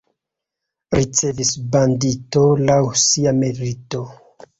Ricevis bandito laŭ sia merito.